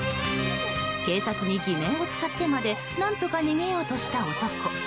警察に偽名を使ってまで何とか逃げようとした男。